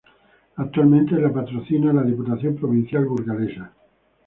Actualmente la patrocina la Diputación Provincial burgalesa.